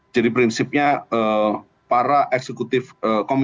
jadi prinsipnya para eksekutif komite eksekutif ini